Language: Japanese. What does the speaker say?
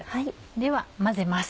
では混ぜます。